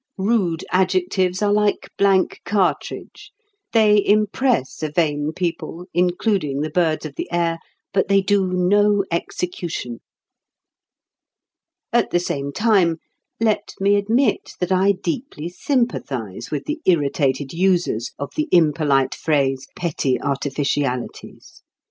Rude adjectives are like blank cartridge. They impress a vain people, including the birds of the air, but they do no execution. At the same time, let me admit that I deeply sympathize with the irritated users of the impolite phrase "petty artificialities."